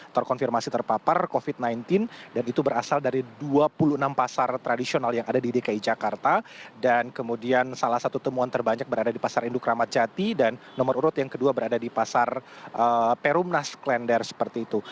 terkonfirmasi terpapar covid sembilan belas dan itu berasal dari dua puluh enam pasar tradisional yang ada di dki jakarta dan kemudian salah satu temuan terbanyak berada di pasar induk ramadjati dan nomor urut yang kedua berada di pasar perumnas klender seperti itu